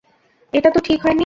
এটা তো ঠিক হয়নি!